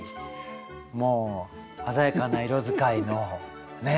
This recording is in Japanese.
もう鮮やかな色使いのね？